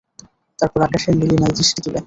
তারপর আকাশের নীলিমায় দৃষ্টি তুলে।